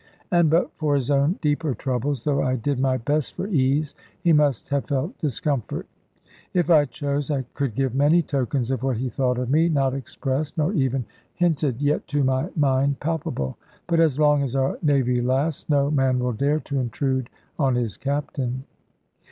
And but for his own deeper troubles, though I did my best for ease, he must have felt discomfort. If I chose, I could give many tokens of what he thought of me, not expressed, nor even hinted; yet to my mind palpable. But as long as our Navy lasts, no man will dare to intrude on his Captain.